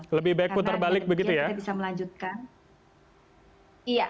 lebih baik putar balik begitu ya